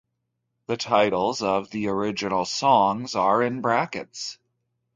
The titles of the original songs are in brackets.